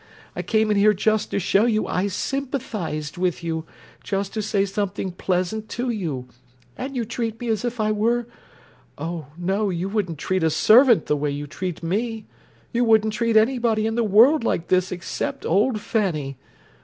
I came in here just to show you I sympathized with you—just to say something pleasant to you, and you treat me as if I were—oh, no, you wouldn't treat a servant the way you treat me! You wouldn't treat anybody in the world like this except old Fanny!